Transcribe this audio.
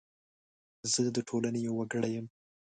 زه د ټولنې یو وګړی یم .